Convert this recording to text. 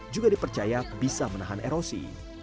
juga dipercaya bisa menahan erosi